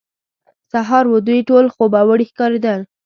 سهار وو، دوی ټول خوبوړي ښکارېدل.